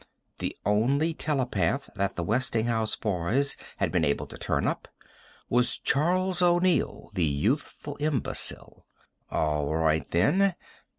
The only telepath that the Westinghouse boys had been able to turn up was Charles O'Neill, the youthful imbecile. All right, then.